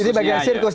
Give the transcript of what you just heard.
ini bagian dari sirkus